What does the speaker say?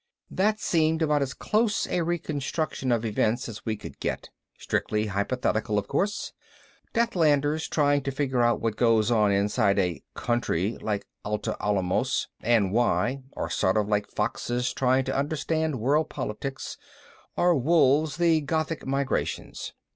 That seemed about as close a reconstruction of events as we could get. Strictly hypothetical, of course. Deathlanders trying to figure out what goes on inside a "country" like Atla Alamos and why are sort of like foxes trying to understand world politics, or wolves the Gothic migrations.